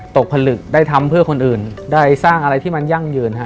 ผลึกได้ทำเพื่อคนอื่นได้สร้างอะไรที่มันยั่งยืนฮะ